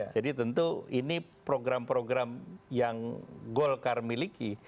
jadi tentu ini program program yang golkar miliki